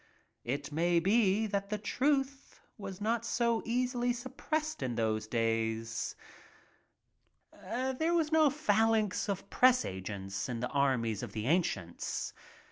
It may be that the truth was not so easily suppressed in those days. There was no phalanx of press agents in the armies of the ancients.